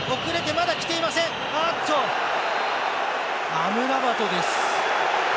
アムラバトです。